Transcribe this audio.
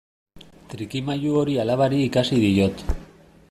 Trikimailu hori alabari ikasi diot.